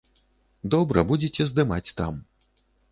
Добра, будзеце здымаць там.